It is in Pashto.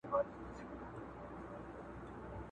له پاچا او له رعیته څخه ورک سو!